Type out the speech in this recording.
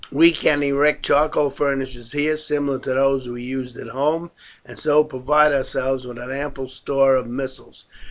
We can erect charcoal furnaces here similar to those we used at home, and so provide ourselves with an ample store of missiles.